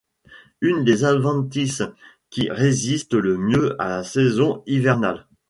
Une des adventices qui résiste le mieux à la saison hivernale.